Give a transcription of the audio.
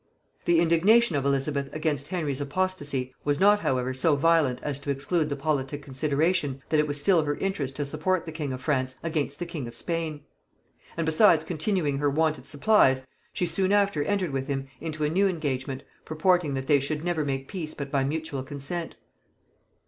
The indignation of Elizabeth against Henry's apostasy was not however so violent as to exclude the politic consideration, that it was still her interest to support the king of France against the king of Spain; and besides continuing her wonted supplies, she soon after entered with him into a new engagement, purporting that they should never make peace but by mutual consent.